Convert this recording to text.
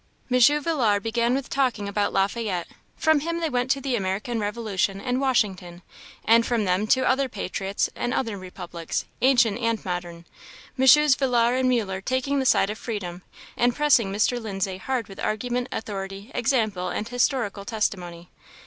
M. Villars began with talking about Lafayette; from him they went to the American revolution and Washington, and from them to other patriots and other republics, ancient and modern MM. Villars and Muller taking the side of freedom, and pressing Mr. Lindsay hard with argument, authority, example, and historical testimony.